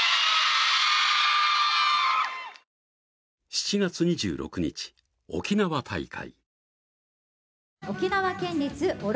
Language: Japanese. ７月２６日、沖縄大会。